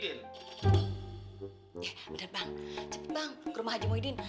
eh bener bang bang ke rumah aji muhyiddin